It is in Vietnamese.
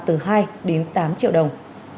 từ hai đến tám triệu đồng